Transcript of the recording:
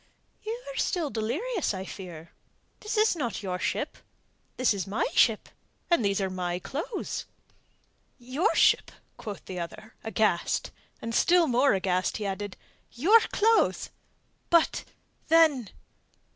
"You are still delirious, I fear. This is not your ship. This is my ship, and these are my clothes." "Your ship?" quoth the other, aghast, and still more aghast he added: "Your clothes? But... then...."